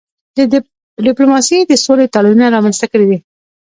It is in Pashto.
ډيپلوماسی د سولي تړونونه رامنځته کړي دي.